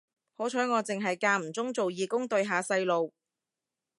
好彩我剩係間唔中做義工對下細路